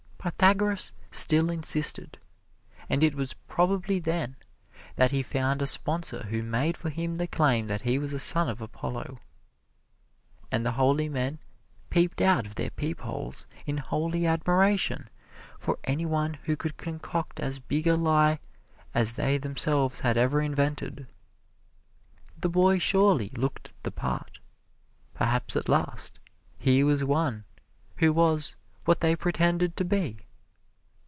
Pythagoras still insisted, and it was probably then that he found a sponsor who made for him the claim that he was a son of Apollo. And the holy men peeped out of their peep holes in holy admiration for any one who could concoct as big a lie as they themselves had ever invented. The boy surely looked the part. Perhaps, at last, here was one who was what they pretended to be!